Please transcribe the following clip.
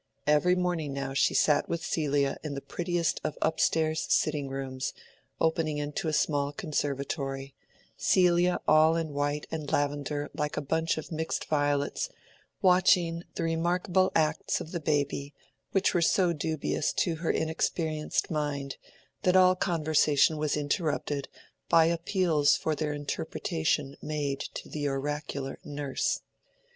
Every morning now she sat with Celia in the prettiest of up stairs sitting rooms, opening into a small conservatory—Celia all in white and lavender like a bunch of mixed violets, watching the remarkable acts of the baby, which were so dubious to her inexperienced mind that all conversation was interrupted by appeals for their interpretation made to the oracular nurse.